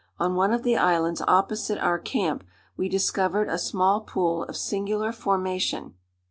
On one of the islands opposite our camp we discovered a small pool of singular formation.